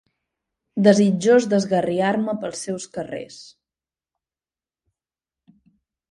Desitjós d'esgarriar-me pels seus carrers